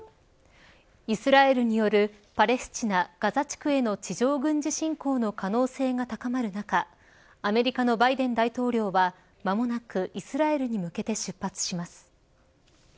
イスラエルによるパレスチナガザ地区への地上軍事侵攻の可能性が高まる中アメリカのバイデン大統領は間もなく、イスラエルに向けて出発します。